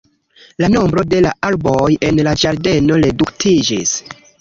La nombro de la arboj en la ĝardeno reduktiĝis.